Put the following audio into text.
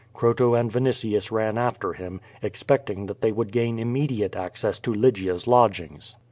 Croto and Vinitius ran after him, expecting that they would gain immediate access to Lygia's lodgings.